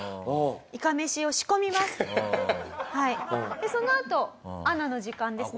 でそのあとアナの時間ですね。